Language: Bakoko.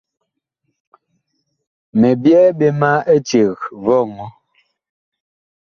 Mi byɛɛ ɓe ma eceg vɔŋɔ.